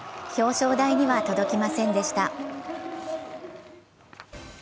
表彰台には届きませんでした。